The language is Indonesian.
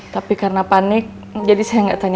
tapi karena panik jadi saya gak tanya tanya